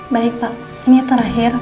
baik pak ini terakhir